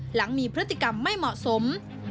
หลังมีพฤติกรรมไม่เหมาะสม